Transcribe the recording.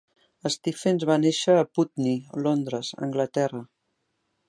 Stephens va néixer a Putney, Londres (Anglaterra).